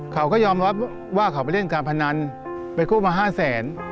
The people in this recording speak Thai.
เขาก็ยอมรับว่าเขาไปเล่นการพนันไปกู้มา๕แสน